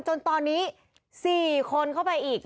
จนตอนนี้๔คนเข้าไปอีก